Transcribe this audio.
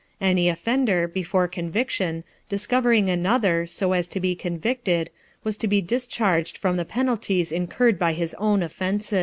Any offender, before conviction, discovering another, so as to be convicted, was to be discharged from the penalties incurred by his own offences.